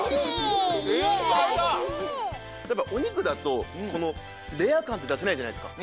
やっぱおにくだとこのレアかんってだせないじゃないですか。